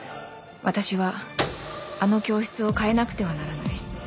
私はあの教室を変えなくてはならない